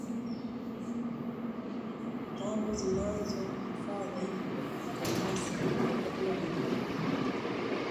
Tando zinazohifadhi kamasi kuwa nyeupe